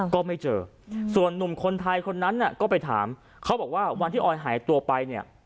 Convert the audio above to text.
ก็ไม่เจอส่วนหนุ่มคนไทยคนนั้นก็ไปถามเขาบอกว่าวันที่ออยหายตัวไปเนี่ย